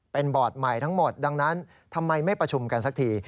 เป็นบอร์ดใหม่ทั้งหมดดังนั้นทำไมไม่ประชุมกันสักที